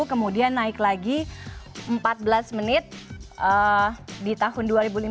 kemudian naik lagi empat belas menit di tahun dua ribu lima belas